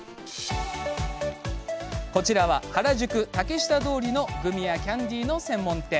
こちらは原宿、竹下通りのグミやキャンデーの専門店。